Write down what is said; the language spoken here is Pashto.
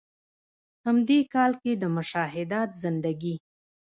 هم د ې کال کښې د“مشاهدات زندګي ”